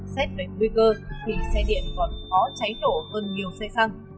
xét về nguy cơ thì xe điện còn khó cháy nổ hơn nhiều xe xăng